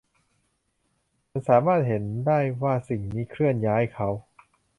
ฉันสามารถเห็นได้ว่าสิ่งนี้เคลื่อนย้ายเขา